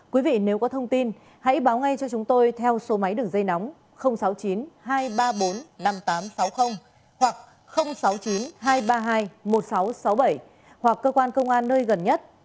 quý vị nếu có thông tin hãy báo ngay cho chúng tôi theo số máy đường dây nóng sáu mươi chín hai trăm ba mươi bốn năm nghìn tám trăm sáu mươi hoặc sáu mươi chín hai trăm ba mươi hai một nghìn sáu trăm sáu mươi bảy hoặc cơ quan công an nơi gần nhất